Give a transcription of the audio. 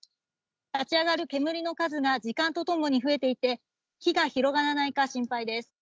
立ち上がる煙の数が時間とともに増えていて火が広がらないか心配です。